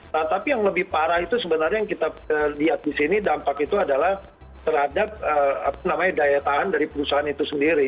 nah tapi yang lebih parah itu sebenarnya yang kita lihat di sini dampak itu adalah terhadap daya tahan dari perusahaan itu sendiri